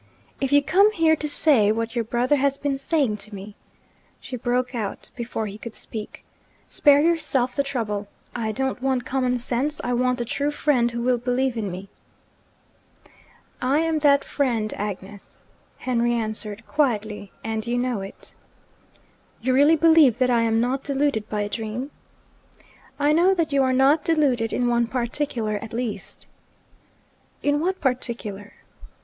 'If you come here to say what your brother has been saying to me,' she broke out, before he could speak, 'spare yourself the trouble. I don't want common sense I want a true friend who will believe in me.' 'I am that friend, Agnes,' Henry answered quietly, 'and you know it.' 'You really believe that I am not deluded by a dream?' I know that you are not deluded in one particular, at least.' 'In what particular?'